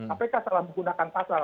apk salah menggunakan pasar